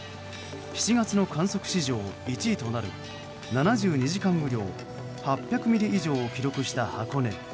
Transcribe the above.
７月の観測史上１位となる７２時間雨量８００ミリ以上を記録した箱根。